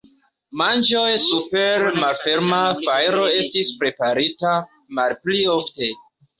Manĝoj super malferma fajro estis preparita malpli ofte.